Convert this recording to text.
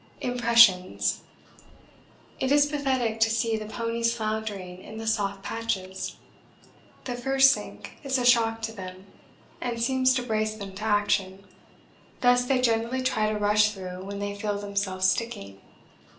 Impressions It is pathetic to see the ponies floundering in the soft patches. The first sink is a shock to them and seems to brace them to action. Thus they generally try to rush through when they feel themselves sticking.